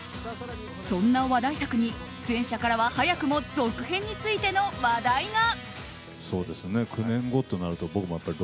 そんな話題作に、出演者からは早くも続編についての話題が。